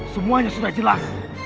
semuanya sudah jelas